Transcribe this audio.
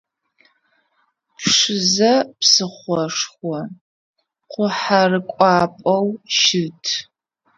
Пшызэ псыхъошхо, къухьэрыкӏуапӏэу щыт.